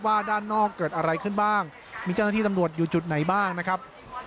ด้านนอกเกิดอะไรขึ้นบ้างมีเจ้าหน้าที่ตำรวจอยู่จุดไหนบ้างนะครับ